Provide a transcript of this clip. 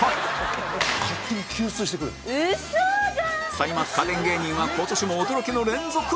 歳末家電芸人は今年も驚きの連続！